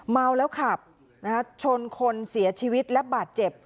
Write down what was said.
เมาแล้วขับชนคนเสียชีวิตและบาดเจ็บ